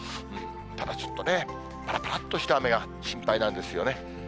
ただちょっとね、ぱらぱらっとした雨が心配なんですよね。